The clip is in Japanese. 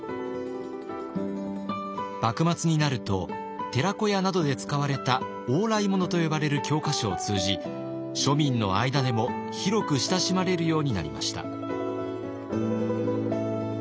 幕末になると寺子屋などで使われた「往来物」と呼ばれる教科書を通じ庶民の間でも広く親しまれるようになりました。